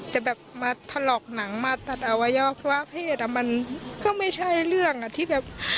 แต่แบบมาถลอกหนังมาตัดอวัยวะเพศอ่ะมันก็ไม่ใช่เรื่องอ่ะที่แบบ